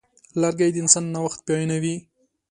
لرګی د انسان نوښت بیانوي.